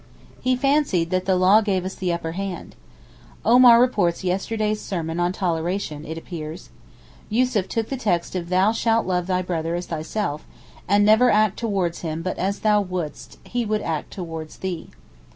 He fancied that the law gave us the upper hand. Omar reports yesterday's sermon 'on toleration,' it appears. Yussuf took the text of 'Thou shalt love thy brother as thyself, and never act towards him but as thou wouldest he should act towards thee.